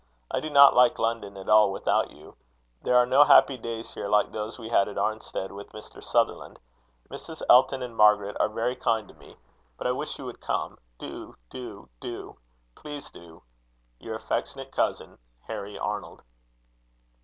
I do not like London at all without you. There are no happy days here like those we had at Arnstead with Mr. Sutherland. Mrs. Elton and Margaret are very kind to me. But I wish you would come. Do, do, do. Please do. "Your affectionate cousin, "HARRY ARNOLD."